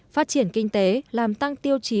phát triển kinh tế làm tăng tiêu chí